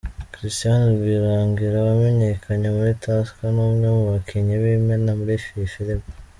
Christian Rwirangira wamenyakanye muri Tusker, ni umwe mu bakinnyi b'imena muri iyi filimi.